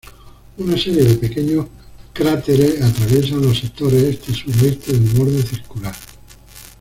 Una serie de pequeños cráteres atraviesan los sectores este y suroeste del borde circular.